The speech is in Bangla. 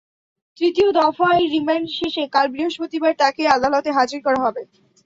তৃতীয় দফায় রিমান্ড শেষে কাল বৃহস্পতিবার তাঁকে আদালতে হাজির করা হবে।